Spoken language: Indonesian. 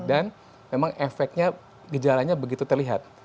dan memang efeknya gejalanya begitu terlihat